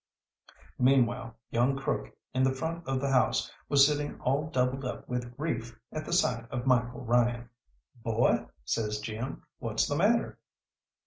Meanwhile young Crook in the front of the house was sitting all doubled up with grief at the sight of Michael Ryan. "Boy," says Jim, "what's the matter?"